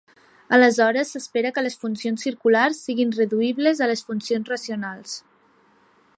Aleshores, s'espera que les "funcions circulars" siguin reduïbles a les funcions racionals.